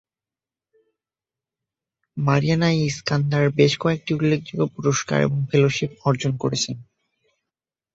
Mariana Iskandar বেশ কয়েকটি উল্লেখযোগ্য পুরষ্কার এবং ফেলোশিপ অর্জন করেছেন।